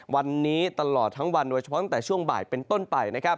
วันนี้ตลอดทั้งวันโดยเฉพาะตั้งแต่ช่วงบ่ายเป็นต้นไปนะครับ